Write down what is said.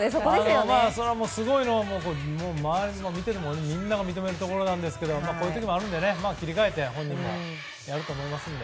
すごいのは周りのみんなが認めるところですがこういう時もあるので切り替えて本人もやると思います。